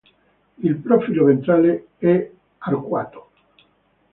Il profilo ventrale è arcuato.